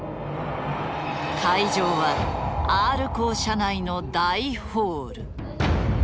会場はＲコー社内の大ホール。